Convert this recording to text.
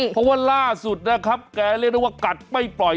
เพราะว่าล่าสุดนะครับแกเรียกได้ว่ากัดไม่ปล่อย